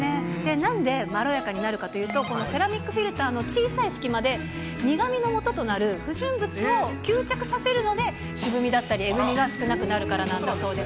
なんでまろやかになるかというと、このセラミックフィルターの小さい隙間で、苦みのもととなる不純物を吸着させるので、渋みだったりえぐみが少なくなるからなんだそうです。